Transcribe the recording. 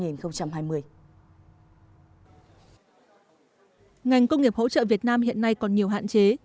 ngành công nghiệp hỗ trợ việt nam hiện nay còn nhiều hạn chế